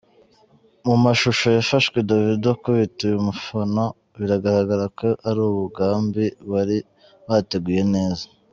Mu mashusho yafashwe Davido akubita uyu mufana bigaragara ko ari umugambi bari bateguye neza.